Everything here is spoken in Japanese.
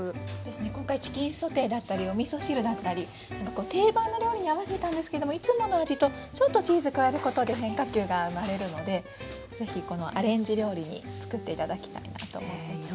今回チキンソテーだったりおみそ汁だったり定番の料理に合わせたんですけどもいつもの味とちょっとチーズ加えることで変化球が生まれるのでぜひこのアレンジ料理に作って頂きたいなと思っています。